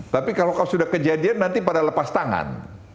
tapi kalau sudah kejadian nanti pada lepas tangan